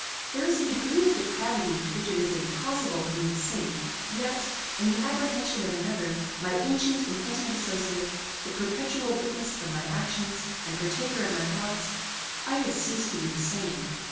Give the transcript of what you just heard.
There is a degree of depravity to which it is impossible for me to sink; yet, in the apprehension of another, my ancient and intimate associate, the perpetual witness of my actions, and partaker of my thoughts, I had ceased to be the same.